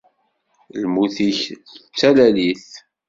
Lmut-ik d talalit.